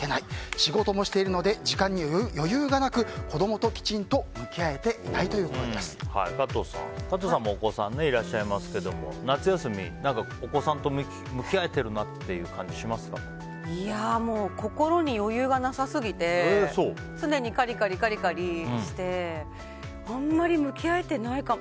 仕事もしているので時間に余裕がなく子供ときちんと向き合えていない加藤さんもお子さんいらっしゃいますけど夏休み、何かお子さんと向き合えてるなっていういや、心に余裕がなさすぎて常にカリカリしてあんまり向き合えてないかも。